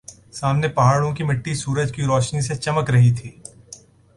سامنے پہاڑوں کی مٹی سورج کی روشنی سے چمک رہی تھی